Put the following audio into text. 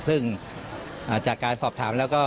ซึ่งจากการสอบถามแล้วก็